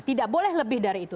tidak boleh lebih dari itu